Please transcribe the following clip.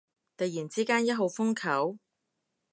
突然之間一號風球？